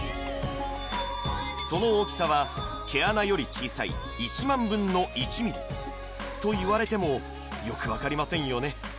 その大きさは毛穴より小さい１万分の１ミリと言われてもよく分かりませんよね